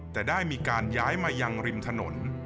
แต่ได้มีการย้ายมายังริมถนน